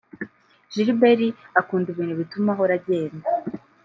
Gilbert akunda ibintu bituma ahora agenda